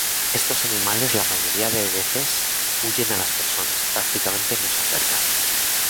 Estos animales la mayoría de veces huyen a las personas, prácticamente no se acercan.